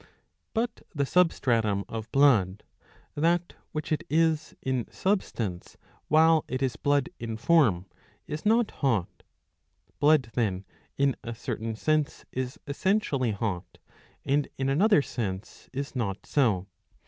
But the substratum of blood, that which it is [in substance] while it is blood [in form] is not hot. Blood then in a certain sense is essentially hot, and in another sense is not so.